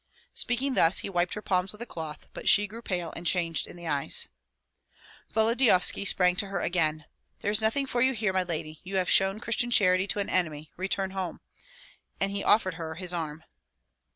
Speaking thus, he wiped her palms with a cloth; but she grew pale and changed in the eyes. Volodyovski sprang to her again: "There is nothing here for you, my lady. You have shown Christian charity to an enemy; return home." And he offered her his arm.